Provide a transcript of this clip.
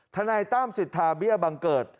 ท่านายต้ามสิทธาวิบังเกิด